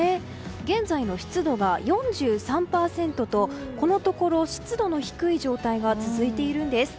現在の湿度は４３％とこのところ湿度の低い状態が続いているんです。